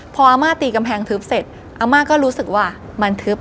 พออาม่าตีกำแพงทึบเสร็จอาม่าก็รู้สึกว่ามันทึบ